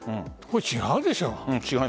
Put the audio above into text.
違うでしょう。